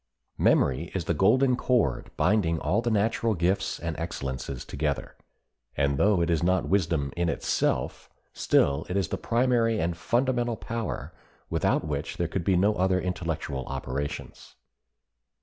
Memory is the golden cord binding all the natural gifts and excellences together, and though it is not wisdom in itself, still it is the primary and fundamental power without which there could be no other intellectual operations.